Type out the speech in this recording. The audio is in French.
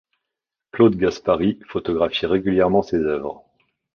Claude Gaspari photographie régulièrement ses œuvres.